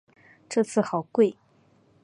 这次好贵